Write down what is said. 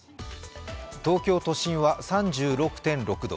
東京都心は３６．６度。